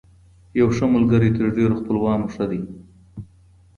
يو ښه ملګری تر ډېرو خپلوانو ښه دی.